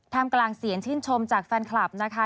กลางเสียงชื่นชมจากแฟนคลับนะคะ